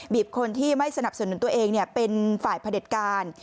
คนที่ไม่สนับสนุนตัวเองเป็นฝ่ายผลิตการ